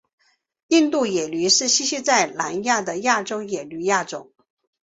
印度野驴是栖息在南亚的亚洲野驴亚种。